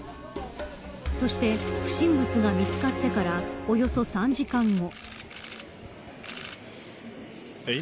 そして、不審物が見つかってからおよそ３時間後。